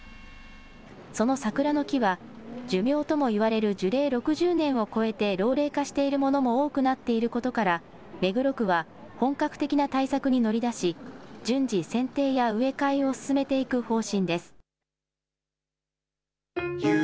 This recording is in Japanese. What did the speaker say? その桜の木は、寿命ともいわれる樹齢６０年を超えて老齢化しているものも多くなっていることから、目黒区は、本格的な対策に乗り出し、順次、せんていや植え替えを進めていく方針です。